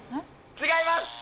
違います。